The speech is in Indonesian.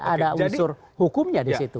ada unsur hukumnya di situ